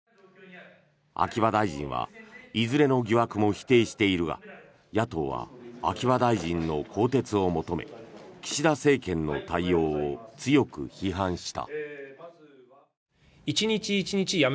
秋葉大臣はいずれの疑惑も否定しているが野党は秋葉大臣の更迭を求め岸田政権の対応を強く批判した。